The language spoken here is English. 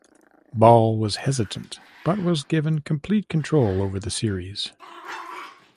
Ball was hesitant, but was given complete control over the series.